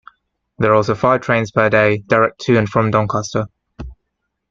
There are also five trains per day direct to and from Doncaster.